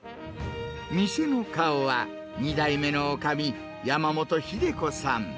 店の顔は、２代目のおかみ、山本秀子さん。